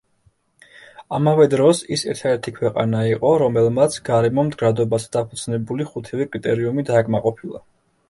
ამავე დროს, ის ერთადერთი ქვეყანა იყო, რომელმაც გარემო მდგრადობაზე დაფუძნებული ხუთივე კრიტერიუმი დააკმაყოფილა.